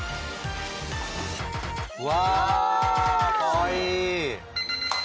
うわかわいい！